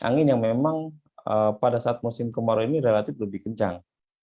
angin yang memang pada saat musim kemarau ini relatif lebih kencang